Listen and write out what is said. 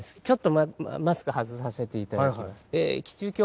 ちょっとマスク外させていただきます。